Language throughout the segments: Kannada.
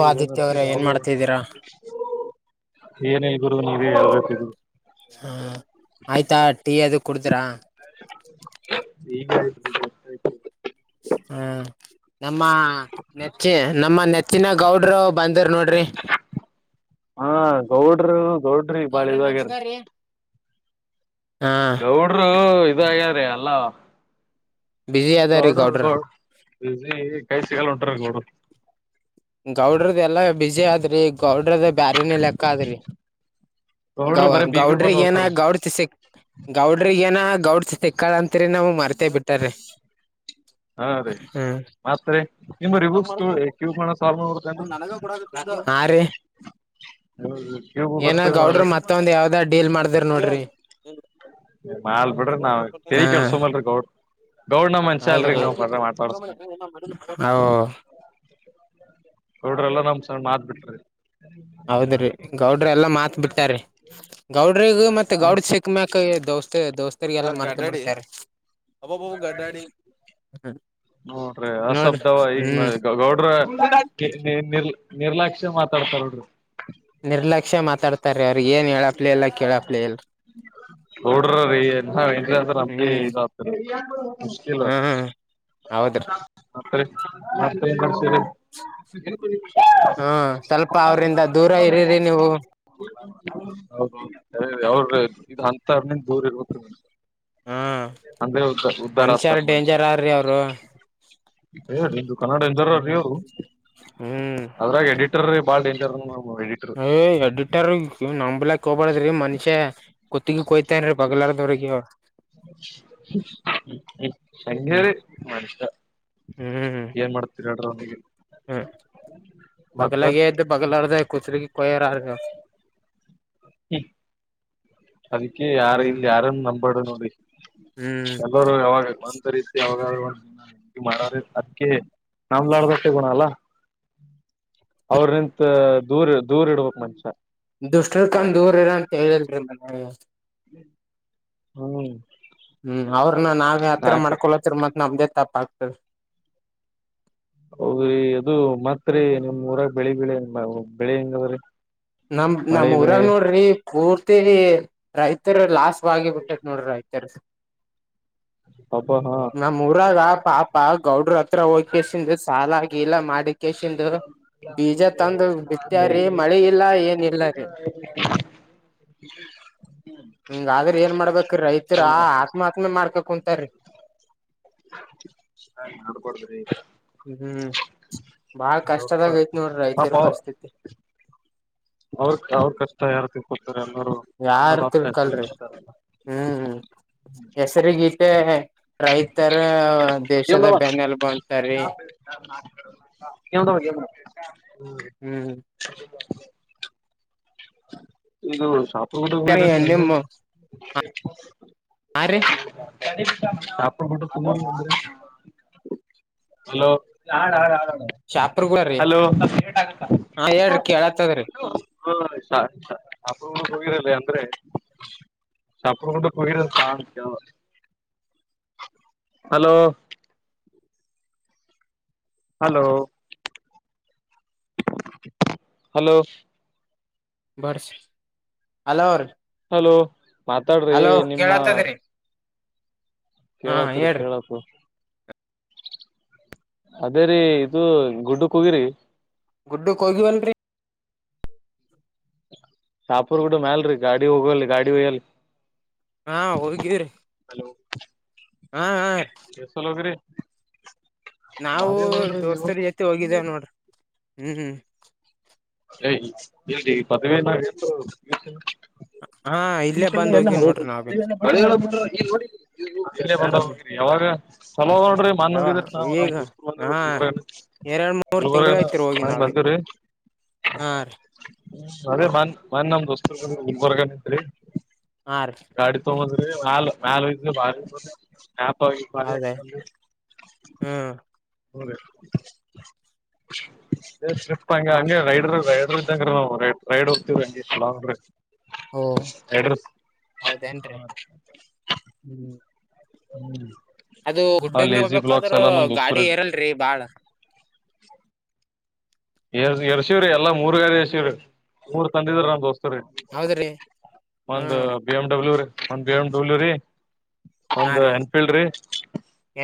ಓ ಆದಿತ್ಯ ಅವ್ರೇ ಏನ್ ಮಾಡ್ತಿದ್ದೀರಾ. ಏನಿಲ್ಲ ಗುರು ನೀವೆ ಹೇಳ್ಬೇಕ್ ಗುರು. ಹಾ ಆಯ್ತಾ ಟೀ ಅದು ಕುಡಿದ್ರಾ. [inaudible] ಈಗ ಆಯ್ತು ಬ್ರೋ. ಹ. ನಮ್ಮ ನೆಚ್ಚ ನಮ್ಮ ನೆಚ್ಚಿನ ಗೌಡ್ರು ಬಂದರು ನೋಡ್ರಿ. ಹಾ ಗೌಡ್ರ ಗೌಡ್ರ ಈಗ ಬಾಳ ಇದ ಆಗ್ಯರ. ಹಾ ಗೌಂಡರು ಇದ ಆಗ್ಯಾರ. ಬಿಜಿ ಅದಾರೀ ಗೌಡ್ರ ಗೌಡ ಬಿಜಿ ಈ ಕೈ ಸಿಗಲ್ ಉಂಟ್ರ ಗೌಡ್ರರು. ಗೌಡ್ರದ ಎಲ್ಲಾ ಬಿಜಿ ಆದ್ರಿ ಗೌಡ್ರದ ಬ್ಯಾರನ ಲೆಕ್ಕ ಆದ್ರಿ. ಗೌ ಗೌಡ್ರು ಬರೀ ಬೀಗರ್ ಗೌಡ್ರಿ ಬಲ್ ಏನ ಓದ್ತಾರ ಗೌಡ್ತಿ ಸಿಕ್ ಗೌಡ್ರಿಗ ಏನ ಗೌಡ್ತಿ ಸಿಕ್ಕಾಳ ಅಂತರಿ ನಮಗ ಮರ್ತೆೇ ಬಿಟ್ಟಾರಿ. ಹಾ ರೀ. ಹ್ಮ್ ಮತ್ ರಿ ನಿಮ್ಮ ರಿಬಕ್ಸ್ ಕಿವ ಕ ಸಾಲ್ವಾ ಮಾಡಕ್ ಬರ್ತ ಏನ್ರಿ. ಹಾ [inaudible] [unintelligible] ಕ್ಯೂಬ್ ಬರ್ತದ. ಗೌಡರು ಮತ್ತೊಂದ್ ಯಾವ್ದ್ ಡೀಲ್ ಮಾಡ್ದ್ರ ನೋಡ್ರಿ. ಮಾಡ್ಲಿ ಬಿಡ್ರಿ ನಾವ್ ತೆಲಿ ಹಾ ಕೆಡಸೋಲ್ರಿ ಗೌಡ್ ಗೌಡ್ನ ಮನ್ಷ್ಯ ಅಲ್ರರಿ ನಾವ ಬ್ರ ಮಾತಾಡ್ಸ ಓ. ಗೌಡ್ರಲ್ಲ ನಮ್ ಸಣ್ಣ ಮಾತ್ ಬಿಟ್ರಿ. ಹೌದ್ರೀ ಗೌಡ್ರ ಎಲ್ಲಾ ಮಾತ್ ಬಿಡ್ತಾರೀ ಗೌಡ್ರಗ ಮತ್ತೆ ಗೌಡ್ ಸಿ ಸಿಕ್ಕ್ ಮ್ಯಾಕ್ ದೋಸ್ತ ದೋಸ್ತರಿಗೆಲ್ಲ ಮರ್ತ ಬಿಟ್ಟಾರಿ. ಅಬೋಬೋ ಗ ಅಡ್ಯಾಡಿ. ನೋಡ್ರಿ ಆ ಶಬ್ದವ ಈಗ ಗೌಡ್ರ ನಿರ್ಲ ನಿರ್ಲಕ್ಷ್ಯ ಮಾತಾಡ್ತಾರ ನೋಡರಿ. ನಿರ್ಲಕ್ಷ್ಯ ಮಾತಾಡ್ತಾರೀ ಅವ್ರರಿಗ್ ಏನ್ ಹೇಳಪ್ಲ ಇಲ್ಲ ಕೇಳಪ್ಲೇ ಇಲ್ಲ. ನೋಡ್ರ ರೀ ಎ ಅಂದ್ರ ನಮ್ಗೆ ಹ್ಮ್ ಇದ ಆಗ್ತರಿ ಮುಶ್ಕಿಲ್. ಹೌದ ರೀ. ಮತ್ತ ರಿ ಮತ್ ಏನ್ ನಡಶೇರಿ. [inaudible] [inaudible] ಹ್ಮ ಸ್ವಲ್ಪ ಹೌದೌದ ಅವ್ರಿಂದ ದೂರ ಇರಿರಿ ನೀವು ಕರೆ ರಿ ಅವ್ರ ಇದ ಅಂತನಿಂದ ದೂರ ಇರ್ಬಬೇಕ್ರಿ ನಾವ್ ಹಾ ಅಂದರೆ ಉ ಉದ್ಧಾರ ಆಗ್ತಾರ ಮನುಷ್ಯರು ಮನಷ್ಯ. ಡೇಂಜರ್ ಆರ್ರಿ ಅವರು ಎ ಇಂದು ಕನ್ನಡ ಎಂದರಾರಿ ಹ್ಮ್ ಅವರು. ಹ್ಮ್ ಅದ್ರಾಗ ಎಡಿಟರ್ ಬಾಳ ಡೇಂಜರ್ ನಮ್ ಎಡಿರ್ ಎ ಎಡಿಟರ್ಗೆ ಕೆ ನಮ್ಮ್ ನಂಬಲಾಕ ಹೋಗ್ಬಾರದ್ರೀ ಮನುಷ್ಯ ಕತ್ತಿಗೆ ಕೊಯ್ತನ್ರಿ ಬಗಲಾರದವ್ರಗೆ. ಹಂಗೆ ಹ್ಮ್ ರಿ ಮನುಷ. ಹ್ಮ್ ಏನ್ ಮಾಡ್ತೀರ ಹೇಳ್ರಿ ಅವನಿಗೆ. ಹ್ಮ್ ಬಗಲಾಗೆ ಇದ್ದ ಬಗಲಾರದ ಕುತ್ಲ ಕೊಯಾರರ್ಗ. ಅದಕ್ಕೆ ಯಾರ ಏನ್ ಇಲ್ಲಿ ಯಾರನ್ನು ನಂಬಾರ್ದ ನೋಡಿ. ಹ್ಮ್. ಲ್ಲರು ಯಾವಾಗ ಗವಂತರಿಸಿ ಯಾಗಿ ಮಾಡರೆ ಅದಕ್ಕೆ ನಮಲಡ್ದಷ್ಟೇ ಬನಲ್ಲ ಅವ್ರ ನಿಂತ ದೂರ್ ದೂರ್ ಇಡ್ಬಕ್ ಮನುಷ್ಯ ದುಷ್ಟಿರ್ಕೊಂಡ್ ದೂರ್ ಇರ ಅಂತ ಹೇಳಿಲ್ರಿ ಮನ ಹ್ಮ್ ಹ್ಮ್ ಅವ್ರನ್ನ ನಾವ್ ಹತ್ರ ನಾಕು ಮಾಡ್ಕೊಳತ್ತರ ಮತ್ ನಮ್ದೇ ತಪ್ಪ ಆಗ್ತರಿ ಹೌದ್ರಿ ಅದು ಮತ್ರಿ ನಿಮ ಊರಾಗ ಬೆಳಿ ಬೆಳೆ ಬೆಳಿ ಹೆಂಗದ್ರರಿ ನಮ ನಮ ಊರಾಗ ನೋಡ್ರಿ ಪೂರ್ತಿ ರೈತರ ಲಾಸ್ಟ್ ಬಿಟ್ಟೈತ್ ನೋಡ್ರಿ ಆಯ್ತಾರ ಹಬ ಹಾ ನಮ್ಮ್ ಊರಾಗ ಪಾಪ ಗೌಡ್ರ ಹತ್ರ ಹೋಗಸಿಂದ ಸಾಲ ಆಾಗಿ ಎಲ್ಲಾ ಮಾಡಿ ಕೇಶಂದು ಬೀಜ ತಂದು ಬಿತ ರೀ ಮಳಿ ಇಲ್ಲಾ ಏನ್ ಇಲ್ಲ ರೀ ಹಮ ಆದ್ರ ಏನ್ ಮಾಡ್ಬೇಕ್ರೀ ರೈತರ ಆತ್ಮಹತ್ಯಮೆ ಮಾಡ್ಕ ಕುಂಂತಾರೀ ಹಾ ನಡ್ಕೊಡದ್ರಿ ಈಗ ಹ್ಮ್ ಬಹಳ ಕಷ್ಟದಾಗ ಐತ್ ನೋಡ್ರಿ ರೈತರ ಪಾಪ ಪರಿಸ್ಥಿತಿ ಅವ್ರ ಅವ್ರ ಕಷ್ಟ ಯಾರತಿ ಕೊತಾರೆ ಎಲ್ಲರು ಅನ್ನ ಯಾರ್ ಬಾಪ ಹೆಸರಿಗ ತಿಳ್ಕಲ್ರಿ ಅಂತಾರಲ್ಲ ಹ್ಮ್ ಹೆಸರಿ ಗೀತೆ ರೈತರ ದೇಶದ ಬೆನ್ನಲ್ ಬಂತಾರೀ ಯ್ದ ಹ ಹ್ಮ್ ಇದು ಶಾಪ ಕೂಡ ಹೋಗರ ನ ನಿಮ್ ಹಾ ರೀ ಸಪ ಮಟ್ಟ ತಂದ ಹಲೋ ಆ ಹ ಆ ಶಾಪುರ್ಗುಳರಿ ಹಲೋ ಹಾ ಹೇಳ್ರಿ ಕೇಳತ್ತದ್ರಿ ಅ ಹೋಗಿರಲ್ಲ ಅಂದ್ರೆ ಚಪ್ಪಗುಯ ಸಾ ಹಲೋ ಹಲೋ ಹಲೋ ಬರ್ಸ ಅಲೋ ಹಲೋ ಮಾತಾಡ್ರಿ ನಿಮ್ಮ ಕೇಳತ್ತದ್ರಿ ಹಾ ಕೇಳತ್ರಿ ಹೇಳ್ರಿ ಕೇಳತ್ ಅದೇ ರೀ ಇದು ಗುಡ್ಡಕ್ಕೆ ಹೋಗಿರಿ ಗುಡ್ಡ ಹೋಗಿ ಬನ್ರಿ ಸಾಾಪೂರ್ ಗೂಡ ಮ್ಯಲ್ರಿ ಗಾಡಿ ಹೋಗಲ್ ಗಾಡಿ ಹಯ್ಯಲ್ ಹಾ ಹೋಗಿದ್ದಿದೀ್ರರಿ ಹಲೋ ಎಸಲ ಹೋಗ್ರಿ ನಾವು ದೋಸ್ತರ ಜೊತೆ ಹೋಗಿದ್ದೇವ ನೋಡ್ರಿ ಹ್ಮ್ ಏ್ ಎ ಪದವ ಎಲ್ಲಂದ ಹಾ ಇಲ್ಲೇ ಬಂದ್ ಹೋಗಿವ್ ನೋಡ್ರಿ ನಾವ್ ಬಿ ಹ್ಮ್ ಯಾವಾಗ ಸಲೋ ನೋಡ್ರಿ ಮನ್ ಯಾವ ಹೋಗಿದೀ್ರ ನಾವ್ ನಮ್ ಈಗ ಗುಕರ್ ಹಾ ಬಂದಿ ಗುಲ್ರ್ಗ ಎರಡ್ ಮೂರ್ ಗುಲ್ಬರ್ಗನ್ ಬಂದಿವ್ರಿ ಹ ಅದೇ ಮನ್ ಮನ್ ನಮ್ ದೋಸ್ತ ಒಬರ್ಗತ್ರಿ ಆರ್ ಗಾಡಿ ತೊಗಂಬಂದ್ರಿ ನಾಲ್ು ನಾಲ್ುೆ ಬ ಹಾಪ ಈ ಮರ ಹೌದ ಹ್ಮ್ ಹೌದಪ್ಪ ಮತ್ ಹಂಗೆ ರೈಡ್ರ ರೈಡರ್ ಇದಂಗ್ರ ನವು ರೈ ರೈಡ್ ಹೋಗ್ತೀವಿಂಗಗೆ ಲಾಂಗ್ೈ ಓ ಎಡ್ರಸ್ ಹ ಹೌದೇನ್ರಿ ಹ್ಮ್ ಹ್ಮ್ ಅದು ಗುಡ್ಡೊಮ್ಮೆ ಹೋಗ್ಬೇಕಾದ್ರರು ಗಾಡಿ ದೋಸ್ತುರಿ ಏರಲ್ರರಿ ಬಾಳ ಎ ಎರ್ಶಿವ್ರೀ ಎಲ್ಲ ಮೂರ್ಗಾರ ಎರ್ಶಿವ್ರೀ ಮೂರ್ ತಂದಿದ್ರ ನಮ್ಮ್ ದೋಸ್ ಸ ಹೌದ್ರಿ ಒಂದ ಹ್ಮ್ ಬಿ ಎಮ್ ಡಬ್ಲ್ಯೂ ರೀ ಒಂದ್ ಬಿ ಎಮ್ ಡಬ್ಲ್ಯೂ ರೀ ಹಾ ಒಂದು್ ರೀ ಎನ್ಫೀಲ್ಡ್ರಿ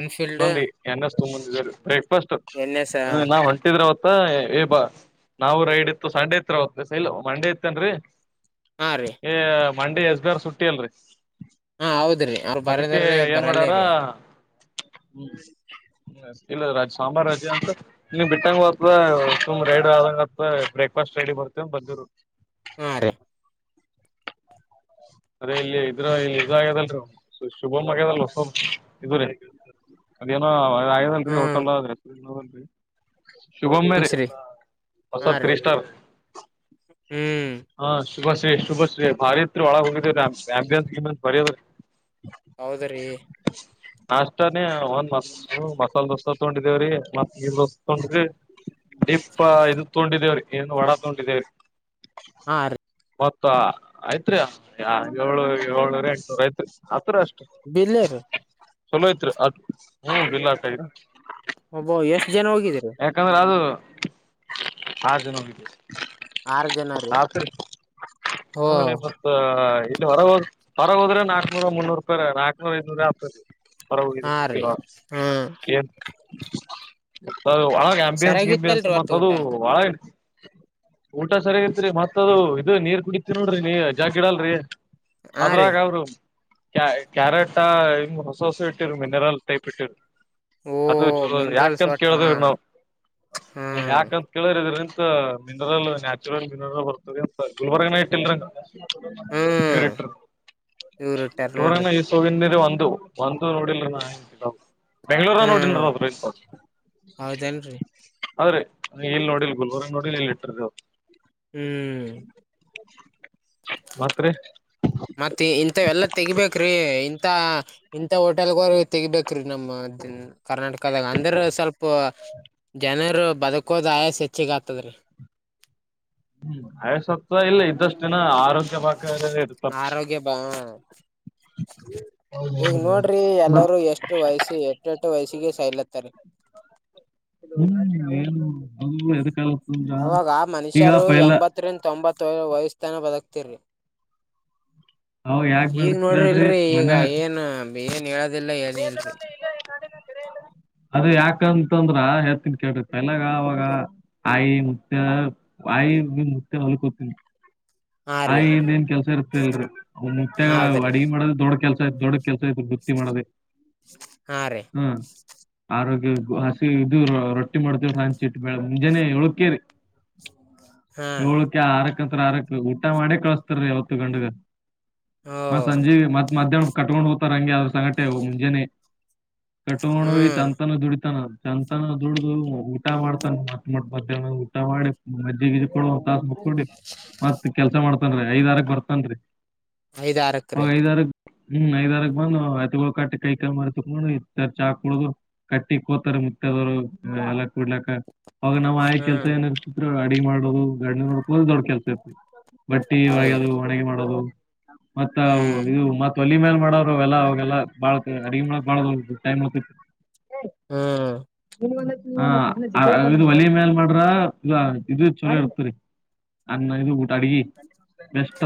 ಎನ್ಫೀಲ್ಡ್ ನೊನ್ಿ ಎನ್ನ ತು ಮುಂದಾರೆ ಬ್ರೇಕ್ಫಾಸ್ಟ್ ಎನ್ ಎಸ್ ಹ ನಾವ್ ಹೊಂಟಿದ್ರ ಅವತ್ತ ಏ ಬಾ ನಾವು ರೈಡ್ ಇತ್ತು ಸಂಡೆ ಇತ್ರ ಹ್ ಇಲ್ ಮಂಡೆ ಇತ್ತನ್ರರಿ ಹಾಂ ರೀ ಏ ಮಂಡೇ ಎಸ್ಬೇರ್ ಸುಟ್ಟಿ ಅಲ್ರಿ ಹಾ ಹೌದ್ರಿ ಅವ್ರ ಅದಕ್ಕೆ ಬರದ್ರಿ ಏನ್ ಬರಲ್ಲೇ ಮಾಡಡ್ಯಾರ ರೀ ಹ್ಮ್ ಇಲ್ಲದ ರಾಜೆ ಸಾಂಬಾರ್ ರೆ ಅಂತ ನೀವು ಬಿಟ್ಟಂಗ ಹತದ ತುಂಬ್ ರೈಡ್ ಆದದಾಗತ್ತ ಬ್ರೇಕ್ಫಾಸ್ಟ್ ರೆಡಿ ಬರ್ತವ ಬಂದರು ಹಾ ರೀ ಅರೆೇ ಇಲ್ಲಿ ಇದ್ರ ಇಲ್ಲಿ ಇದಾಗದಲ್ ಶುಭಮ್ ಆಗ್ಯದಲ್ ಇದ ಅದೇನೋ ಆದಲ್ರರಿ ಹೋಟೆಲ್ದಲ್ರಿ ಶುಗಂಭ ರ ಹ್ಮ್ಸ್ರಿ ಹೊಸ ಹಾ ರೀ ೀ ಸ್ಟಾರ್ ಹ್ಮ್ ಹಾ ಶುಭಾಶ್ರೀ ಶುಭಶ್ರೀ ಭಾರಿತ್ರು ಒಳಗೆ ಹೋಗಿದಂಬನ್ಸ್ ಗನ್ ಬರದ ಹೌದ ರೀ ನಾಷ್ಟಾನೇ ಒಂದ್ ಮಸ್ ಮಸಾಲೆ ಮಸಾಲ ತೊೊಂಡಿದೇವ್ರಿ ಮತ್ತ ತೊಂಡ್ರಿ ಡಿಪ್ಪ ಇದು ತೊೊಂಡಿದೇವ್ರಿ ಏನು ಒಡಾ ತ ಉಂಟಿದೇರಿ ಹಾ ರೀ ಮತ್ತ ಆಯ್ತ್ರಿ ಏಳು ಏಳೂರ ಎಂಟ್ನೂರ ಐತ್ರಿ ಆತ್ರರ ಅಷ್ಟ ಬಿಲ್ಲೇ ರೀ ಚಲೋಯತ್ರಿ ಅ ಹ್ಮ್ ಬಿಲ್ ಆಟ ಐತಿ ಒಬ್ಬ ಎಷ್ಟು ಜನ ಹೋಗಿದ್ದೀಿದ್ದಾರೆ ಯಾಕಂದ್ರೆ ಅದು ಆರು ಜನೋಗಿದ್ದಿದೆ ಆರ್ ಜನ ರೀ ಹತರಿ ಓ ಹ್ಮ ಬ ಇಲ್ಲಿ ಹೊರ ಹೋದ್ ಹೊರ ಹೋದ್ರೆ ನಾಕಕ್ನೂರ ಮುನ್ನೂರು ರೂಪಾಯ ರ ನಾಕಕ್ನೂರ ಐ್ನೂರ ಆಗ್ತ ರರಿ ಹೊರ ಹಾ ರೀ ಹೋಗಗಲ ಹ್ಮ್ ಏನ್ ಒಳ ಆಪಿಯನ್ಸ್ ಗಪಿಯನ್ಸ್ ಸರಿಯಾಗಿತ್ತಲ್ರಿ ಅವತ್ತು ಮತ್ತದು ಊಟ ಒಳ ಊಟ ಸರಿಯಾಗಿತ್ರಿ ಮತ್ತ ಅದು ಇದು ನೀರ್ ಕುಡತಿರಿ ನೋಡ್ರಿ ನೀ ಜಾ ಗಿಡಲ್ರರಿ ಹಾ ರೀ ಅದ್ರಾಗ ಅವರು ಕ್ಯಾ ಕ್ಯಾರೆಟ ಹಿಂಗ್ ಹೊಸ ಹೊಸ ಇಟ್ಟಿರ ಮಿನರಲ್ ಟೈಪ್ ಇಟ್ಟಿರು ಓ ಅದ ಚಲೋ ಅದರಿ ಮಿನರಲ್ಸ್ ಯಾಕಂತ ವಾಟ ಕೇಳ್ದವ ಹಾ ನಾವು ಹ ಹ್ಮ್ ಯಾಕಂತ ಕೇಳಿದ್ರಿ ಇದ್ರಂತ ಮಿನರಲ್ ನ್ಯಾಚುರಲ್ ಮಿನರಲ್ ಬರ್ತದೆಂತ ಗುಲ್ಬರ್ಗನ ಇಟ್ಟಿಲ್ರಂಗ ವ ರ ಹ್ಮ್ ಎಸ್ ಇವ್ರ ಇಟ್ಟಾರ ನೋಡ್ರಿ [unintelligible] ಸುಮ್ನಿರಿ ಒಂದು ಒಂದು ನೋಡಿಲ್ರಿ ನ ಬೆಂಗಳೂರಾಗ್ ಹ್ಮ್ ನೋಡಿದ್ದೀನಿ ಅದ ರೈಸು ಹೌದೇನ್ರಿ ಅದ್ರೀ ಇಲ್ಲಿ ನೋಡಿಲ್ ಗುಲ್ಬರ್ಗಲ್ ನೋಡಿಲ್ ಇಲ್ಲಿ ಇಟ್ಟಿರೊದು ಹ್ಮ್ ಮತ್ ರಿ ಮತ್ತೆ ಇಂಥವೆಲ್ಲಾ ತೆಗಬೇಕ್ರೀ ಇಂಥ ಇಂಥ ಹೋಟೆಲ್ಗೊಳ್ ತೆಗಿಬೇಕ್ರೀ ನಮ್ಮ ಕರ್ನಾಟಕದಾಗ ಅಂದ್ರ ಸ್ವಲ್ಪ ಜನರು ಬದುಕೋದ ಆಯಸ ಹೆಚ್ಚಗ ಆಗ್ತದ ರೀ ಹ್ಮ್ ಆಯಸತ್ತ ಇಲ್ಲ ಇದ್ದಷ್ಟು ದಿನ ಆರೋಗ್ಯ ಬಕ ಇರಬೇಕು ಆರೋಗ್ಯ ಬ [inaudible] [inaudible] ಈಗ ನೋಡ್ರಿ ಎಲ್ಲರೂ ಎಷ್ಟು ವಯಸ್ಸು ಎಷ್ಟ್ ಎಷ್ಟೊ ವಯಸ್ಸಿಗೆ ಸೈಲತ್ತರಿ ಹ್ಮ್ ಏನು ಅದು ಎದಕಾಲ ಈಗಪ್ಪ ಎಲ್ಲ [inaudible] ಹತ್ತರಿಂದ ತೊಂಬತ್ತ ವಯಸ್ಥಾನ ಬದಕ್ತಿರಿ ಅವ ಯಾಕ ಈಗ ಬದಕ್ ನೋಡ್ರಿ ಕೇಳ್ರಿ ಇಲ್ರಿ ಈಗ ಮನ್ಯಾಗ ಏನು ಏನ್ ಹೇಳೋದಿಲ್ಲ ಏನ ಇಲ್ರಿ ಅದ ಯಾಕಂತಂದ್ರ ಹೇಳ್ತೀನಿ ಕೇಳ್ರಿ ತಲೆಯಾಗ ಅವಾಗ ಆಯಿ ಮುತ್ತ್ಯ ಬಾಯಿ ಮೊತ್ತ ಹೊಲ್ಕೂತೀನಿ [inaudible] ಹಾ ರೀ ಆಯ್ ಇನ್ ಎನ್ ಕೆಲ್ಸ ಇರ್ತಲ್ರಿ ಅವ್ ಮುತ್ಯಗ ಹೌದ್ರಿ ಅಡಗೆ ಮಾಡೋದ್ ದೊಡ್ ಕೆಲ್ಸ ಐತಿ ದೊಡ್ಡ ಕೆಲಸ ಇದ ಬುತ್ತಿ ಮಾಡೋದೆ ಹಾ ರೀ ಹ್ಮ್ ಆರೋಗ್ಯ ಹಸಿ ಇದು ರೊಟ್ಟಿ ಮಾಡ್ತೇವ ಹಂಚಿ ಇಟ್ ಮೇಳ ಮುಂಜಾನೆ ಏಳುಕ್ಕೆರಿ ಹ [unintelligible] ಏಳಕ್ಕ ಆರಕ್ಕ ಅಂದ್ರೆ ಆರಕ್ಕ ಊಟ ಮಾಡಿ ಕಳಸ್ತಾರೀ ಯಾವತ್ತು ಗಂಡಗ ಓ ಮತ್ ಸಂಜೀಗಿ ಮತ್ ಮಧ್ಯಾಹ್ನಕೂ ಕಟ್ಕೊಂಡ್ ಹೋಗ್ತಾರ ಹಂಗೆ ಅದ್ರ ಸಂಗಟೆ ಮುಂಜಾನೆ ಕಟ್ಕೊಂಡು ಹೋಗಿ ಹ್ಮ್ ಸಂಜತಾನ ದುಡಿತಾನ ಸಂಜತನ ದುಡ್ದು ಊಟ ಮಾಡ್ತಾನ ಮತ್ತ ಮಟ್ಟ ಮಧ್ಯಾಹ್ನ ಊಟ ಮಾಡಿ ಮಜ್ಜಿಗ್ ಗಿಜಿಗ್ ಕೊಡ್ದು ಒಂದ್ ತಾಸ್ ಕೂತ್ಕೊಂಡಿ [inaudible] ಕೆಲ್ಸ ಮಾಡ್ತನ್ರಿ ಐದಾರಕ್ ಬರ್ತನ್ರೀ ಐದಾರಕ್ ರೀ ಅವಾಗ ಐದಾರಕ್ ಹ್ಮ್ ಐದಾರಕ್ ಬಂದು ಎತ್ಗಳ ಕಟ್ಟಿ ಕೈಕಾಯ ಮಾರಿ ಕುತ್ಕೊಂಡು ಇತ ಚಾ ಕುಡುದು ಕಟ್ಟಿ ಕೋತಾರ ಮುುತ್ತದವರು ಎಲ್ಲಾ ಕೊಡ್ಲಕ್ಕ ಅವಾಗ ನಾವ್ ಆಯ ಕೆಲ್ಸ ಹ್ಮ್ ಏನ ಇರ್ತಿದರು ಅಡಗೆ ಮಾಡೋದು ಗಂಡನ್ ನೋಡ್ಕೊಳ್ಳೋದು ದೊಡ್ ಕೆಲ್ಸ ಇರ್ತಿ ಬಟ್ಟಿ ಹೌದ್ರಿ ವಗ್ಯದು ಒಣಗ ಮಾಡೋದು ಮತ್ತ ಹ್ಮ್ ಇದು ಮತ್ ವಲಿ ಮೇಲ್ ಮಾಡೊರು ಅವೆಲ್ಲ ಅವಾಗೆಲ್ಲಾ ಬಾಳ್ ಅಡಗಿ ಮಾಡಕ್ಕ ಬಾಳ ಟೈಮ್ ಹೋಗ್ತಿತ್ತು ಹ್ಮ ಹ ಇದು ಒಲೆ ಮ್ಯಲ್ ಮಾಡ್ರ ಇ ಇದು ಚಲೋ ಇರ್ತರಿ ಅ ಅನ್ನ ಊಟಾ ಅಡಿಗೆ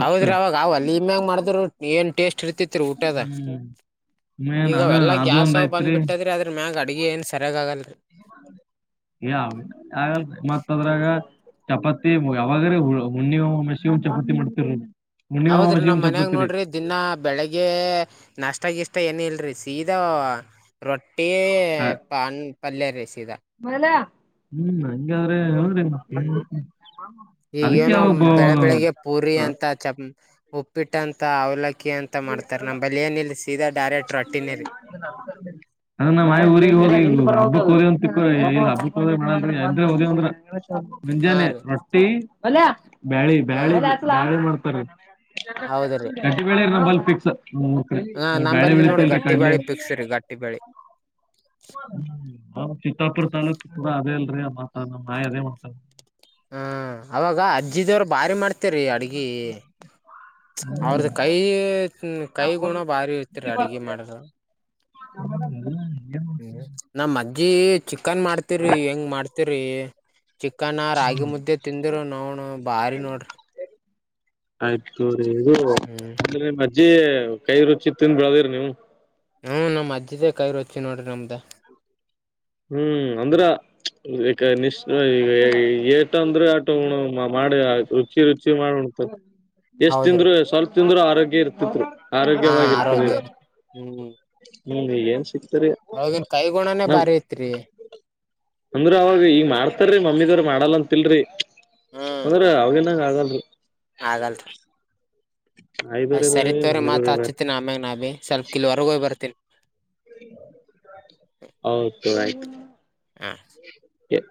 ಹೌದ್ರಿ ಅವಾಗ ವಲ್ಲಿ ಮ್ಯಾಗ ಮಾಡಿದ್ ರೊಟ್ಟಿ ಏನ್ ಟೇಸ್ಟ್ ಇರ್ತಿತ್ತು ಊಟದ ಹ್ಮ್ ಮೇನ್ ಅದ ಈಗವೆಲ್ಲಾ ಅದು ಒಂದ್ ಗ್ಯಾಸವ್ ಬಂದ್ ಐತ್ರಿ ಬಿಟ್ಟದ್ರೆ ಅದ ಮ್ಯಾಗ ಅಡಗೆ ಏನ್ ಸರಿಯಾಗ ಆಗಲ್ ರಿ ಯಾವ ಅಗಲ್ರಿ ಮತ್ತದ್ರಾಗ ಚಪಾತಿ ಯಾವಾಗ್ರ ಹ ಹುಣ್ಣಿಮೆಗೊಮ್ಮೆ ಅಮವಾಸೆಗೊಮ್ಮೆ ಚಪಾತಿ ಮಾಡ್ತೀವ್ರಿ ಹುಣ್ಣಿಮೆಗೊಮ್ಮೆ ಅಮಾವಾಸ್ಯೆಗೊಮ್ಮೆ ಚಪಾತಿ ರೀ ದಿನ ಬೆಳಗ್ಗೆ ನಾಷ್ಟ ಗಿಷ್ಟ ಏನ ಇಲ್ರಿ ಸೀದಾ ರೊಟ್ಟಿ ಪನ್ ಪಲ್ಯ ರಿ ಸೀದಾ ಹ್ಮ್ ಹಂಗಾದ್ರೆ [inaudible] ಅದಕ್ಕೆ ಅವಗ್ದು [unintelligible] ಚ ಉಪ್ಪಿಟ್ಟಂತ ಅವ್ಲಕ್ಕಿ ಅಂತ ಮಾಡ್ತಾರ ನಂಬಲಿ ಬಳ ಏನ ಇಲ್ಲ ಸೀದಾ ಡೈರೆಕ್ಟ್ ರೊಟ್ಟಿನರಿ [inaudible] ಅದನ್ನ ನಮ್ಮ ಮಾಯಿ ಊರಿಗೆಗ್ ಹೋಗಿ ಹಬ್ಬಕ್ ಹೋದೆವ ಅಂತ ತಿ ಏ ಹಬ್ಬೋದೆ ಮಾಡ್ರೆ ಹಂದ [unintelligible] ಹಾ ಮುಂಜಾನೆ ರೀ ರೊಟ್ಟಿ ಬಳಿ ಹಾ ಬ್ಯಾಳಿ ಮಾಡ್ತಾರೆ. ಹೌದ್ರೀ ಕಟಿ ಬ್ಯಾಳೆ ರಿ ನಮ್ಮಲ್ಲಿ ಫಿಕ್ಸ್. ಹ ಬ್ಯಾಳೆ ನಂಬಲ್ಲಿ ನೋಡಿ ಬೆಳಿತಿಲ್ರಿ ಗಟ್ಟಿ ಕಡ್ಲಿ ಬಾಳಿ ಪಿಕ್ಸ್ ರೀ ಗಟ್ಟಿ ಬಾಳಿ. ಹ್ಮ್ ಚಿತ್ತಾಪುರ್ ತಾಲ್ಲೂಕ್ ಕೂಡ ಅದೇ ಅಲ್ರಿ ಮಾತ ನಮ್ಮ್ ನಾಯಿ ಅದೇ ಮಾಡ್ತಾರೆ. ಹ್ಮ ಅವಾಗ ಅಜ್ಜಿದವ್ರು ಭಾರಿ ಮಾಡ್ತ. ರಿ ಅಡ್ಗಿ ಅವ್ರ್ದ ಕೈ. ಹ್ಮ ಕೈ ಗುಣ ಬಾರಿ ಇರ್ತರಿ ಅಡಗೆ ಮಾಡ್ರ. ಹ್ಮ. ಹ್ಮ ನಮ್ಮ ಅಜ್ಜಿ ಚಿಕನ್ ಮಾಡ್ತಿರಿ ಹೆಂಗ ಮಾಡ್ತಿರಿ. ಚಿಕ್ಕನ್ ರಾಗಿ ಮುದ್ದೆ ತಿಂದ್ರು ನೌನ ಬಾರಿ ನೋಡ್ರಿ. ಆಯ್ತು ತಗೋ ರೀ. ಹ್ಮ್. ಅಂದ್ರೆ ನಿಮ್ಮ ಅಜ್ಜಿ ಕೈ ರುಚಿ ತಿಂದ ಬಿಳದಿರಿ ನೀವು. ಹ್ಮ್ ನಮ್ಮ ಅಜ್ಜದೇ ಕೈ ರುಚಿ ನೋಡ್ರರಿ ನಮ್ದ. ಹ್ಮ್ ಅಂದ್ರ. ಈಗ ನಿಶ್ ಈಗ ಏಟ ಅಂದ್ರೆ ಆಟ ಮಾಡ ರುಚಿ ರುಚಿ ಮಾಡ ಉಣ. ಎಷ್ಟ್ ಹೌದ್ರಿ ತಿಂದ್ರು ಸ್ವಲ್ಪ ತಿಂದ್ರರು ಆರೋಗ್ಯ ಇರ್ತಿತ್ರು. ಹಾ ಆರೋಗ್ಯವಾಗಿರ್ತರಿ ಆರೋಗ್ಯ ಹ್ಮ್ ಏನ್ ಸಿಗ್ತರಿ. ಹೋಗನ್ ಕೈ ಗುಣನೇ ಬಾರಿ ಇತ್ರಿ. ಅಂದ್ರ ಅವಾಗ ಈಗ ಮಾಡ್ತಾರೀ ಮಮ್ಮಿದವ್ರ ಮಾಡಲ್ ಅಂತಿಲ್ರಿ ಹ್ಮ್ ಅಂದ್ರ ಅವಗನಂಗ್ ಆಗಲ್ರಿ. ಆಗಲ್ ರಿ. ಆಯ್ದವ್ರೇ ಅಷ್ಟ್ ಬೇರೆ ಸರಿತವ್ರರಿ ಮತ್ ಮಮ್ಮಿದವ್ರೇ ಬೇರೆ ಹಾಚ್ಚತ್ತನಿ ಆಮ್ಯಾಗೆ ನಾ ಭೀ ಸ್ವಲ್ಪ್ ಕಲ್ವರೆಗ ಹೋಗ್ ಬರ್ತೀನಿ. ಹೌದ ತಗೋ ಆಯ್ತು. ಹಾಂ. ಏ.